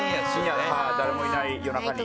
誰もいない夜中に。